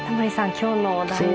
今日のお題